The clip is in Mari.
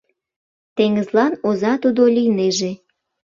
Теҥызлан оза тудо лийнеже